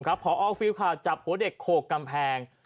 ครับพอฟิล์ดค่ะจับหัวเด็กโขกกำแพง